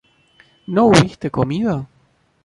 ¿no hubiste comido?